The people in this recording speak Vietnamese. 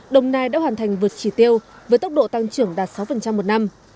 đồng nai đã hoàn thành vượt chỉ tiêu với tốc độ tăng trưởng đạt sáu một năm